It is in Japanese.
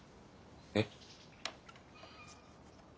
えっ？